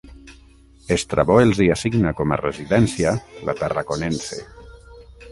Estrabó els hi assigna com a residència la Tarraconense.